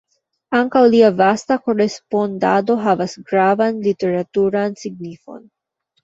Ankaŭ lia vasta korespondado havas gravan literaturan signifon.